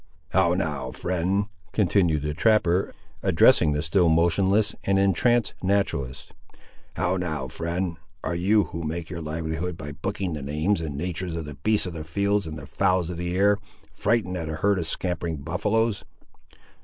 "How now, friend," continued the trapper, addressing the still motionless and entranced naturalist; "how now, friend; are you, who make your livelihood by booking the names and natur's of the beasts of the fields and the fowls of the air, frightened at a herd of scampering buffaloes?